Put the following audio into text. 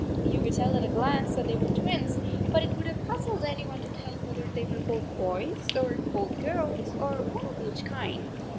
You could tell at a glance that they were twins, but it would have puzzled any one to tell whether they were both boys or both girls, or one of each kind.